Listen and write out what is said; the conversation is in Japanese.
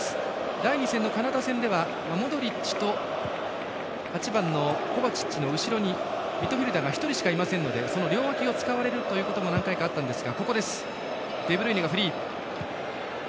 第２戦のカナダ戦ではモドリッチと８番のコバチッチの後ろにミッドフィルダーが１人しかいませんのでその両脇を使われるということも何回もあったんですが。